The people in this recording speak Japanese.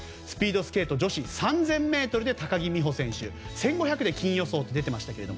スピードスケート女子３０００ｍで高木美帆選手１５００で金予想と出ていました。